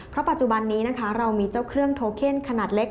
เพราะปัจจุบันนี้นะคะเรามีเจ้าเครื่องโทเคนขนาดเล็ก